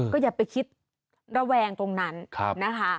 ก็อย่าไปคิดระแวงตรงนั้นนะคะ